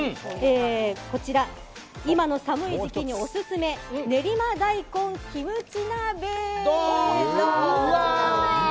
こちら、今の寒い時期にオススメ練馬大根キムチ鍋！